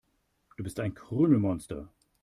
Du bist ein Krümelmonster.